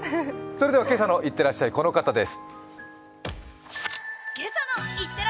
今朝の「いってらっしゃい」、この方です。